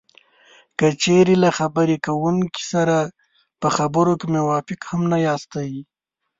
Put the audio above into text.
که چېرې له خبرې کوونکي سره په خبرو کې موافق هم نه یاستی